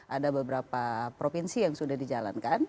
ada beberapa provinsi yang sudah dijalankan